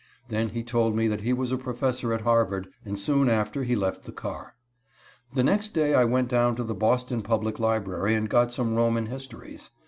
Then he told me that he was a professor at Harvard, and soon after he left the car. The next day I went down to the Boston Public Library and got some Roman histories.